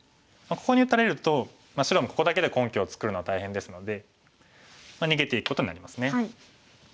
ここに打たれると白もここだけで根拠を作るのは大変ですので逃げていくことになりますね。